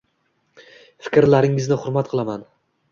Fikrlaringizni hurmat qilaman.